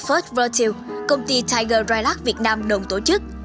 first virtual công ty tiger rilak việt nam đồng tổ chức